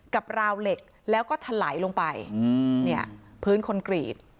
กับราวเหล็กแล้วก็ทะไหลลงไปพื้นคนกรีด